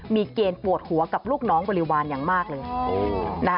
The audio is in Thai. มีเกณฑ์ปวดหัวกับลูกน้องบริวารอย่างมากเลย